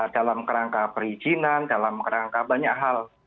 dalam rangka perizinan dalam rangka banyak hal